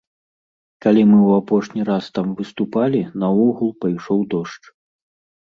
Калі мы ў апошні раз там выступалі, наогул пайшоў дождж.